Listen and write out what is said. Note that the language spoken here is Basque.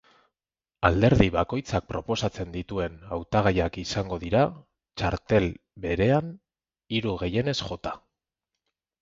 Alderdi bakoitzak proposatzen dituen hautagaiak izango dira txartel berean, hiru gehienez jota.